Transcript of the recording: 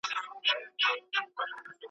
له پاکستان څخه یواځې